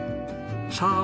さあ